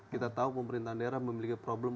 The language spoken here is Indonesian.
kita tahu pemerintahan daerah memiliki problem